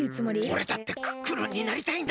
おれだってクックルンになりたいんだ。